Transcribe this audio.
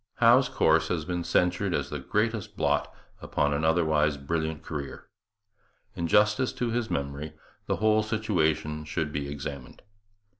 Howe's course has been censured as the greatest blot upon an otherwise brilliant career. In justice to his memory the whole situation should be examined.